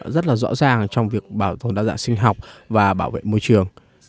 rất là rõ ràng trong việc bảo tồn đa dạng sinh học và bảo vệ môi trường